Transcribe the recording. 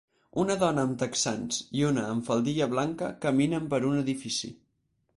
Una dona amb texans i una amb faldilla blanca caminen per un edifici.